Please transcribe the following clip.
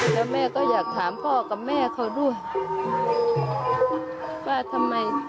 แล้วแม่ก็อยากถามพ่อกับแม่เขาด้วยว่าทำไม